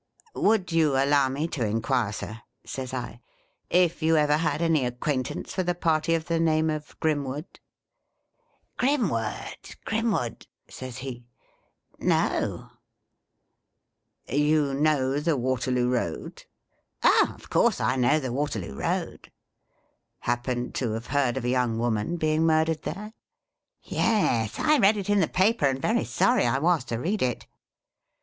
' Would you allow me to inquire, Sir,' says I, ' if you ever had any acquaintance with a party of the name of Grimwood ]'' Grimwood ! Grim wood !' says he, ' No !'' You know the Waterloo Koad 1 '' Oh ! of course I know the Waterloo Eoad !' 'Happen to have heard of a young woman being murdered there?' 'Yes, I read it in the paper, and very sorry I was to read it.'